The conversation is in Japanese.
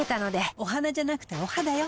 お花じゃなくてお肌よ。